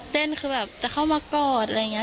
คือแบบจะเข้ามากอดอะไรอย่างนี้